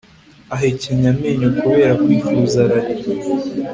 Ahekenya amenyo kubera kwifuza ararira